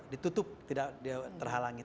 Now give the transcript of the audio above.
ditutup tidak terhalangi